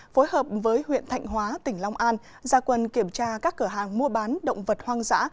phối hợp với huyện thạnh hóa tỉnh long an ra quân kiểm tra các cửa hàng mua bán động vật hoang dã